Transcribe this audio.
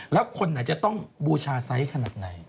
แล้วคนไหนจะต้องบูชาไซส์ขนาดไหน